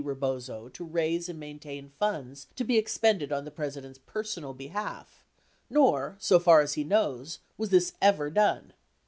Rebozo to raise and maintain funds to be expended on the President's personal behalf, nor, so far as he knows, was this ever done."